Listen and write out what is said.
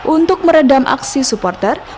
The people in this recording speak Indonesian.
untuk meredam akibatnya